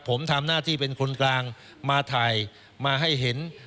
ผมทำหน้าที่เป็นคนกลางมาถ่ายมาให้เห็น